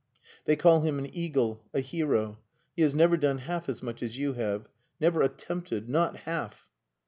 They call him an eagle a hero! He has never done half as much as you have. Never attempted not half...."